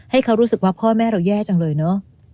ให้เขารู้สึกว่าพ่อแม่เราแย่จังเลยเนอะ